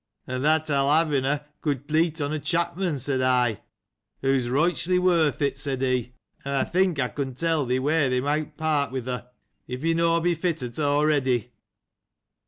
And that I'll have, if I could meet a chapman, said I. She is richly worth it, said he ; and I think, I can tell thee where thou mayst part with her, if he be not fitted already.